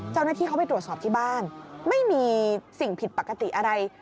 เจ้าหน้าที่เขาไปตรวจสอบที่บ้านไม่มีสิ่งผิดปกติอะไร